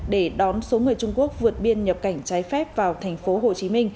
để đón số người trung quốc vượt biên nhập cảnh trái phép vào tp hcm